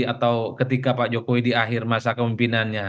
atau ketika pak jokowi di akhir masa kemimpinannya